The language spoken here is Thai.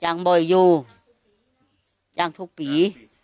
จ้างบ่อยอยู่จ้างทุกปี